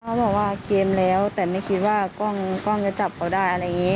เขาบอกว่าเกมแล้วแต่ไม่คิดว่ากล้องจะจับเขาได้อะไรอย่างนี้